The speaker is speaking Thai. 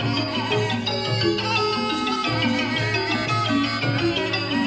โอเคครับ